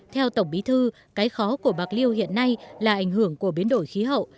theo tổng bí thư cái khó của bạc liêu hiện nay là ảnh hưởng của biến đổi khí hậu